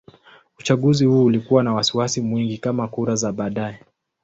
Uchaguzi huu ulikuwa na wasiwasi mwingi kama kura za baadaye.